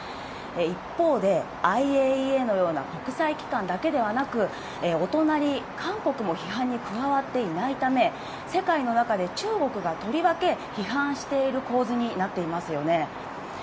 一方で、ＩＡＥＡのような国際機関だけではなく、お隣、韓国も批判に加わっていないため、世界の中で中国がとりわけ批判している構図になっていますよね。